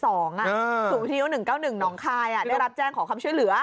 สูงทีนิ้ว๑๙๑น้องคายได้รับแจ้งขอความช่วยเหลือ